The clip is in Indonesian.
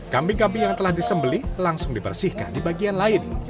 kambing kambing yang telah disembeli langsung dibersihkan di bagian lain